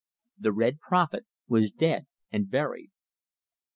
The Red Prophet was dead and buried!